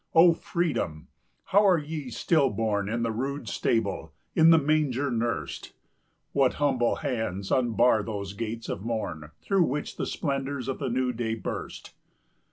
O Freedom! how are ye still born In the rude stable, in the manger nursed! What humble hands unbar those gates of morn 15 Through which the splendors of the New Day burst.